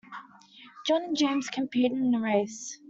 John and James competed in the race